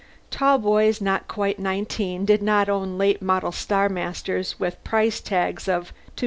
Tall boys not quite nineteen did not own late model Spacemasters with price tags of cr.